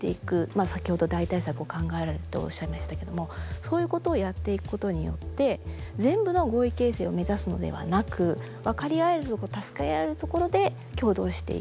先ほど代替策を考えられるっておっしゃいましたけどもそういうことをやっていくことによって全部の合意形成を目指すのではなく分かり合えるとこ助け合えるところで共同していく。